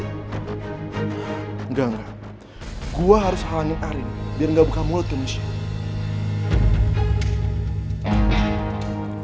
engga engga gue harus halangin arin biar ga buka mulut ke michelle